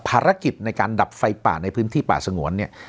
ภารกิจในการดับไฟป่าในพื้นที่ป่าสงวนเนี่ย